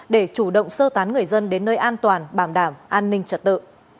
để chủ động sơ tán người dân đến nơi an toàn bảo đảm an ninh trật tự